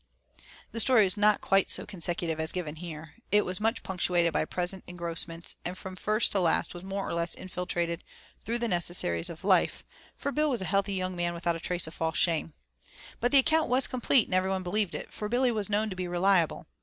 The story was not quite so consecutive as given here. It was much punctuated by present engrossments, and from first to last was more or less infiltrated through the necessaries of life, for Bill was a healthy young man without a trace of false shame. But the account was complete and everyone believed it, for Billy was known to be reliable.